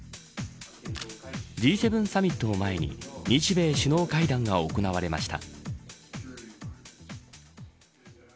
Ｇ７サミットを前に日米首脳会談が行われました。